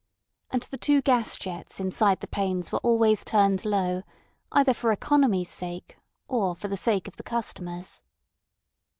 And the two gas jets inside the panes were always turned low, either for economy's sake or for the sake of the customers.